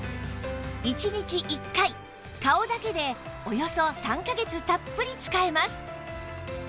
１日１回顔だけでおよそ３カ月たっぷり使えます